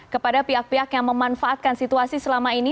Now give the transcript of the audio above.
kepada pihak pihak yang memanfaatkan situasi selama ini